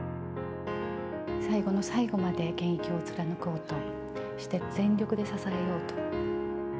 最後の最後まで、現役を貫こうとして、全力で支えようと。